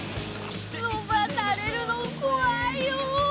伸ばされるの怖いよ！